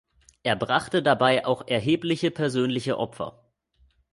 Er brachte dabei auch erhebliche persönliche Opfer.